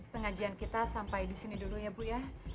pengajian kita sampai disini dulu ya bu ya